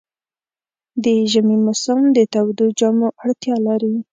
د ژمي موسم د تودو جامو اړتیا لري.